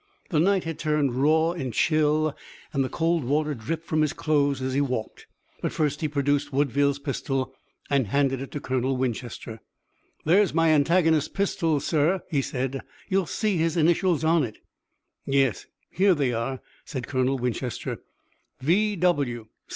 The night had turned raw and chill, and the cold water dripped from his clothes as he walked. But first he produced Woodville's pistol and handed it to Colonel Winchester. "There's my antagonist's pistol, sir," he said. "You'll see his initials on it." "Yes, here they are," said Colonel Winchester: "'V.